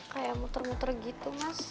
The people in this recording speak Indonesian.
kayak muter muter gitu mas